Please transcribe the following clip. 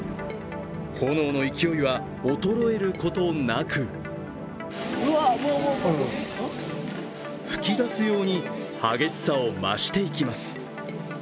炎の勢いは衰えることなく噴き出すように激しさを増していきます。